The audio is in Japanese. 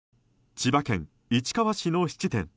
千葉県市川市の質店。